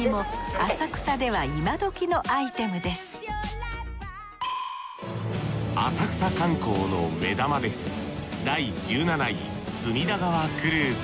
浅草観光の目玉です